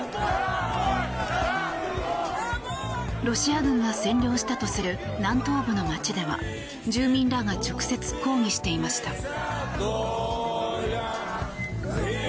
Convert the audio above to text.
ロシア軍が占領したとする南東部の街では住民らが直接、抗議していました。